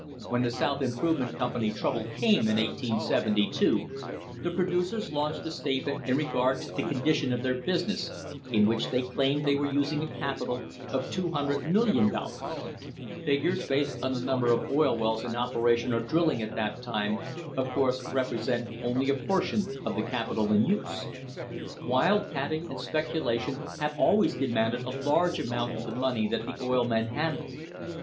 When the South Improve ment Company trouble came in 1872, the producers launched a statement in regard to the condition of their business in which they claimed that they were using a capital of $200,000,000. Figures based on the number of oil wells in operation or drilling at that time of course represent only a portion of the capital in use. Wildcatting and speculation have always demanded a large amount of the money that the oil men handled.